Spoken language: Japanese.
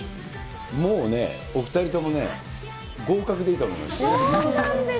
もうね、お２人ともね、合格でいいと思います。